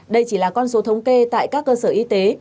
đây chỉ là con số thống kê tại các cơ sở y tế